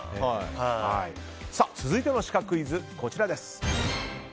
続いてのシカクイズです。